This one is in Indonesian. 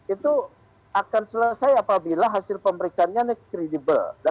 itu akan selesai apabila hasil pemeriksaannya kredibel